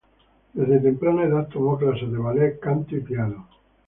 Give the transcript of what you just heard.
Desde temprana edad tomó clases de ballet, canto y piano.